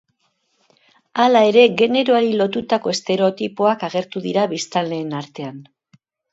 Hala ere, generoari lotutako estereotipoak agertu dira biztanleen artean.